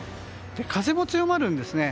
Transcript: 風も強まるんですね。